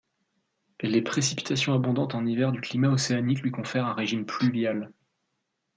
Les précipitations abondantes en hiver du climat océanique lui confèrent un régime pluvial.